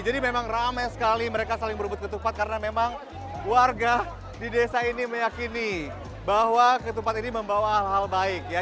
memang ramai sekali mereka saling berebut ketupat karena memang warga di desa ini meyakini bahwa ketupat ini membawa hal hal baik ya